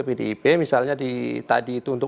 pdip misalnya di tadi itu untuk